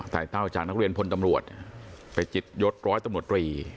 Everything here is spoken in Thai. เต้าจากนักเรียนพลตำรวจไปจิตยศร้อยตำรวจรี